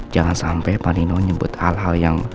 jangan sampai pandino nyebut hal hal yang